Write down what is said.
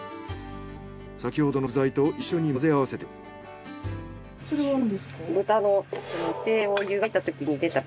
先ほどの具材と一緒に混ぜ合わせていく。